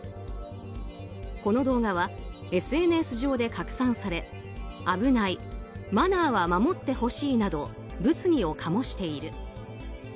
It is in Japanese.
この動画はＳＮＳ上で拡散され危ないマナーは守ってほしいなど物議を醸している。